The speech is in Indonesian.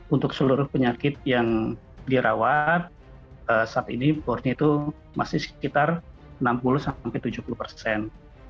untuk seluruh penyakit yang dirawat saat ini bornya itu masih sekitar enam puluh sampai tujuh puluh persen